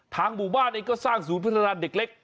หมู่บ้านเองก็สร้างศูนย์พัฒนาเด็กเล็ก